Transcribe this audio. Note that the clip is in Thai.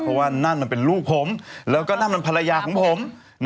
เพราะว่านั่นมันเป็นลูกผมแล้วก็นั่นมันภรรยาของผม